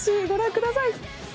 ご覧ください。